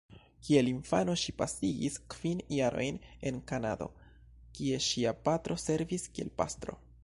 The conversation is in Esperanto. Kiel infano ŝi pasigis kvin jarojn en Kanado, kie ŝia patro servis kiel pastro.